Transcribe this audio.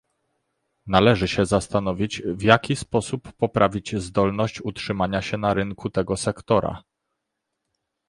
Należy się zastanowić, w jaki sposób poprawić zdolność utrzymania się na rynku tego sektora